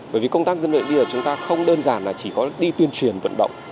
bởi vì công tác dân vận bây giờ chúng ta không đơn giản là chỉ có đi tuyên truyền vận động